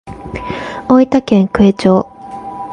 大分県九重町